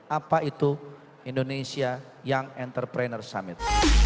apa itu indonesia young entrepreneur summit